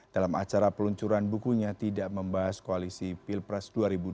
dalam acara peluncuran bukunya tidak membahas koalisi pilpres dua ribu dua puluh